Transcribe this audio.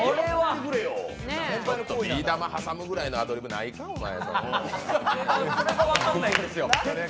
ビー玉挟むぐらいのアドリブないか、お前？